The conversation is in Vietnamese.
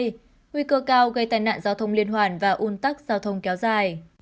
nguy cơ cao gây tai nạn giao thông liên hoàn và un tắc giao thông kéo dài